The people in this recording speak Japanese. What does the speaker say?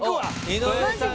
井上さん